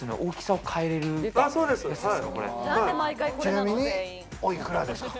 ちなみにお幾らですか？